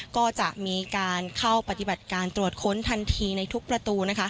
ก็จะมีการเข้าปฏิบัติการตรวจค้นทันทีในทุกประตู